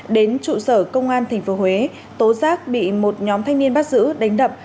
đến trụ sở công an tp huế tố giác bị một nhóm thanh niên bắt giữ đánh đập